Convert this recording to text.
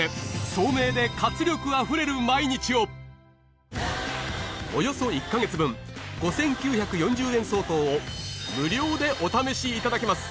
“聡明で活力溢れる毎日”をおよそ１カ月分５９４０円相当を無料でお試しいただけます